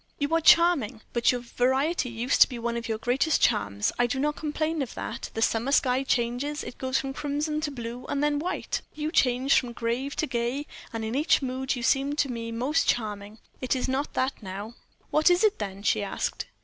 "You are charming, but your variety used to be one of your greatest charms. I do not complain of that the summer sky changes; it goes from crimson to blue, and then white you changed from grave to gay, and in each mood you seemed to me most charming. It is not that now." "What is it, then?" she asked.